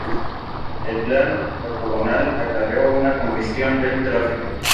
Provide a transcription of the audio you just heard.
El plan ortogonal acarreó una congestión del tráfico.